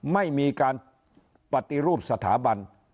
ไม่มีการปฏิรูปสถาบัน